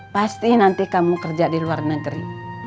pasti nanti kamu kerja di luar negeri